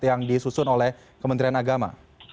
yang disusun oleh kementerian agama